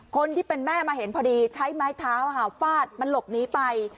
คนที่เป็นแม่มาเห็นพอดีใช้ไม้เท้าฟาดมันหลบหนีไป